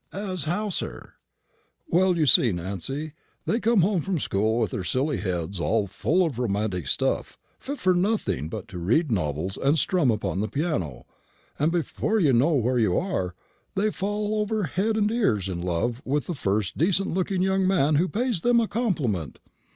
"As how, sir?" "Well, you see, Nancy, they come home from school with their silly heads full of romantic stuff, fit for nothing but to read novels and strum upon the piano; and before you know where you are, they fall over head and ears in love with the first decent looking young man who pays them a compliment.